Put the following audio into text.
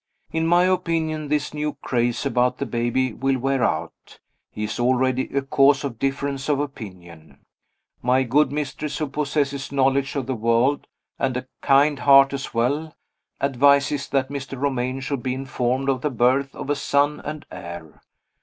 In my opinion this new craze about the baby will wear out. He is already a cause of difference of opinion. My good mistress, who possesses knowledge of the world, and a kind heart as well, advises that Mr. Romayne should be informed of the birth of a son and heir.